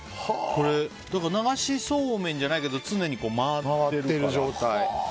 流しそうめんじゃないけど常に回るっていう。